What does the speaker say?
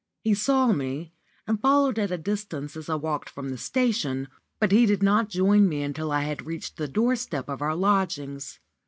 He saw me, and followed at a distance as I walked from the station, but he did not join me until I had reached the doorstep of our lodgings.